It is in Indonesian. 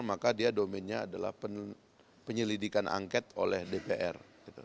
maka dia domennya adalah penyelidikan angket oleh dpr